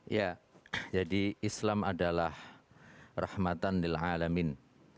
ya jadi islam adalah rahmatan dil'alamin